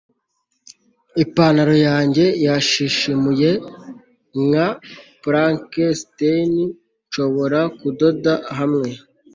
ipantaro yanjye yashishimuye, nka frankenstein, nshobora kudoda hamwe